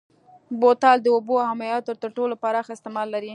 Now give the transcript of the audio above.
بوتل د اوبو او مایعاتو تر ټولو پراخ استعمال لري.